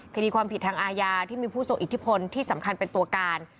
คดีความผิดทางอาญาที่มีผู้ทรงอิทธิพลที่สำคัญเป็นตัวการ